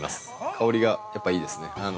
香りがやっぱいいですね。